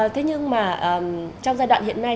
thế nhưng mà trong giai đoạn hiện nay